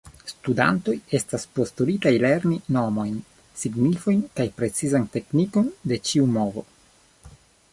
Studantoj estas postulitaj lerni nomojn, signifojn kaj precizan teknikon de ĉiu movo.